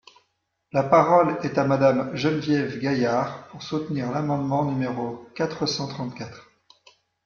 La parole est à Madame Geneviève Gaillard, pour soutenir l’amendement numéro quatre cent trente-quatre.